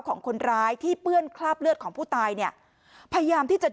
ของคนร้ายที่เปื้อนคราบเลือดของผู้ตายเนี่ยพยายามที่จะ